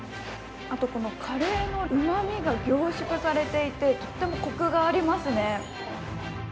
あと、このカレーのうまみが凝縮されていて、とてもコクがありますね